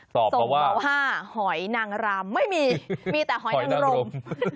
ส่งมาว่าหอยนางรำไม่มีมีแต่หอยนังรม